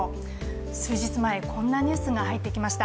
数日前、こんなニュースが入ってきました。